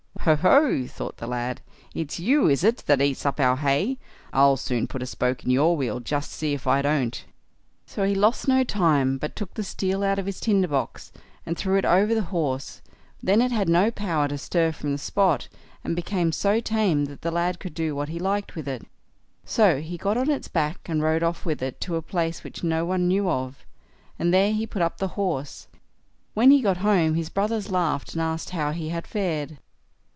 "Ho, ho!" thought the lad; "it's you, is it, that eats up our hay? I'll soon put a spoke in your wheel, just see if I don't." So he lost no time, but took the steel out of his tinder box, and threw it over the horse; then it had no power to stir from the spot, and became so tame that the lad could do what he liked with it. So he got on its back, and rode off with it to a place which no one knew of, and there he put up the horse. When he got home, his brothers laughed and asked how he had fared?